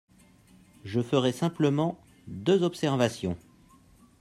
Je ferai simplement deux observations.